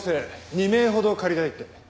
２名ほど借りたいって。